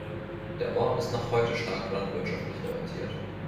Der Ort ist noch heute stark landwirtschaftlich orientiert.